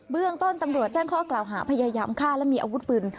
เรื่องต้นตำรวจแจ้งข้อกล่าวหาพยายามฆ่าและมีอาวุธปืน